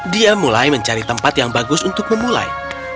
dia mulai mencari tempat yang bagus untuk memulai